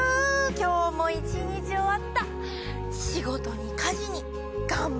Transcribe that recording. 今日も一日終わった。